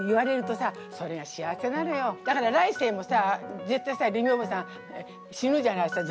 だから来世もさ絶対さレミおばさん死ぬじゃない？